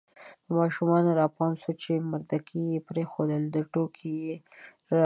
د ماشومانو را پام سو مردکې یې پرېښودې، ټوکې یې راباندې کولې